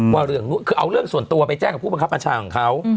ว่าเรื่องนู้นคือเอาเรื่องส่วนตัวไปแจ้งกับผู้บังคับบัญชาของเขา